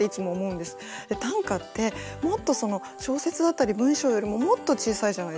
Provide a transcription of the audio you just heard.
短歌ってもっと小説だったり文章よりももっと小さいじゃないですか。